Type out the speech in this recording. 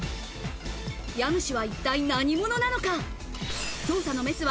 家主は一体何者なのか？